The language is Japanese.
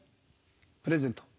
プレゼント。